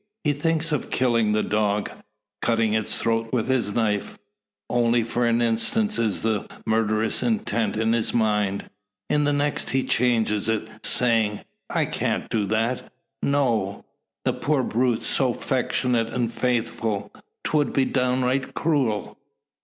He thinks of killing the dog cutting its throat with his knife. Only for an instant is the murderous intent in his mind. In the next he changes it, saying: "I can't do that no; the poor brute so 'fectionate an' faithful! 'Twould be downright cruel.